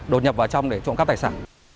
có thể đột nhập vào trong để trộm các tài sản